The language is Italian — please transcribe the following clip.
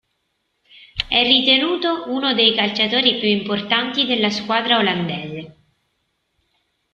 È ritenuto uno dei calciatori più importanti della squadra olandese.